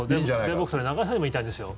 僕、それ中居さんにも言いたいんですよ。